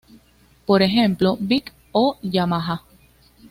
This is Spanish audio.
Por ejemplo: Bic o Yamaha.